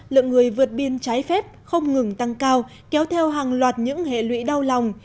lượng người vượt biên trái phép không ngừng tăng cao kéo theo hàng loạt những hệ lụy đau lòng